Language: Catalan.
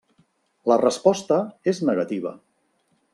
La resposta és negativa.